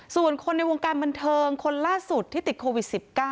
ส่วนคนในวงการบันเทิงคนล่าสุดที่ติดโควิด๑๙